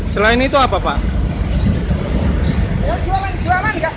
jalan jalan tidak laku